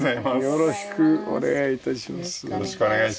よろしくお願いします。